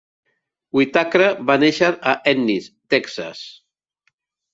Whitacre va néixer a Ennis, Texas.